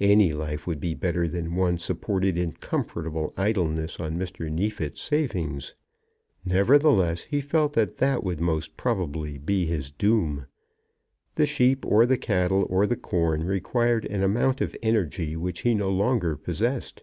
Any life would be better than one supported in comfortable idleness on Mr. Neefit's savings. Nevertheless he felt that that would most probably be his doom. The sheep or the cattle or the corn required an amount of energy which he no longer possessed.